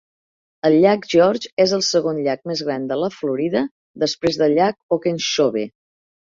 El llac George és el segon llac més gran de la Florida, després del llac Okeechobee.